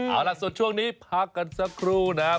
เอาล่ะส่วนช่วงนี้พักกันสักครู่นะครับ